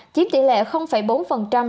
chiếm tỷ lệ bốn so với tổng số ca nhiễm